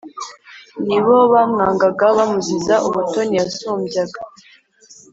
ni bo bamwangaga, bamuziza ubutoni yabasumbyaga